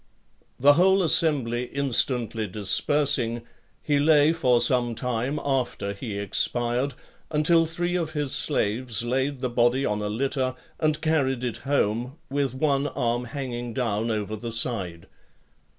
The whole assembly instantly (52) dispersing, he lay for some time after he expired, until three of his slaves laid the body on a litter, and carried it home, with one arm hanging down over the side.